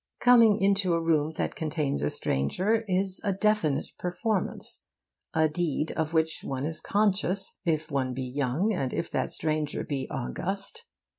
Coming into a room that contains a stranger is a definite performance, a deed of which one is conscious if one be young, and if that stranger be august.